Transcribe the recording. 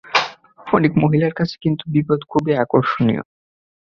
অনেক মহিলার কাছে কিন্তু বিপদ খুবই আকর্ষণীয়।